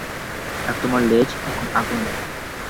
আর তোমার লেজ এখন আগুনের।